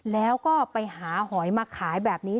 แล้วก็ไปหาหอยมาขายแบบนี้